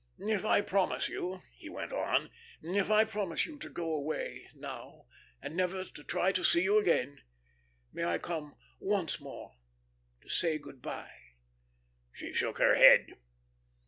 If I promise you," he went on. "If I promise you to go away now, and never to try to see you again, may I come once more to say good by?" She shook her head.